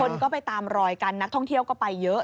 คนก็ไปตามรอยกันนักท่องเที่ยวก็ไปเยอะ